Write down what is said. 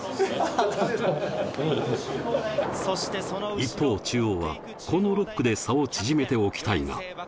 一方、中央はこの６区で差を縮めておきたいが。